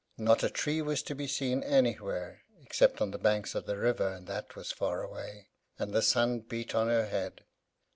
Not a tree was to be seen anywhere, except on the banks of the river, and that was far away, and the sun beat on her head.